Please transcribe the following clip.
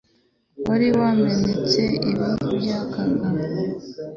Wari wamenetse ibi by' akaga,